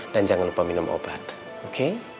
dan jangan lupa minum obat oke